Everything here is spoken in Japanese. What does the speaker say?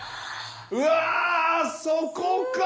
うわそこか！